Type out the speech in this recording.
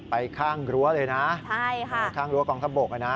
ไปข้างรั้วเลยนะข้างรั้วกองทหารบก